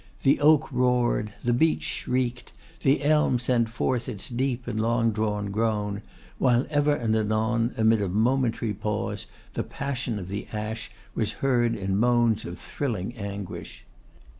The oak roared, the beech shrieked, the elm sent forth its deep and long drawn groan; while ever and anon, amid a momentary pause, the passion of the ash was heard in moans of thrilling anguish.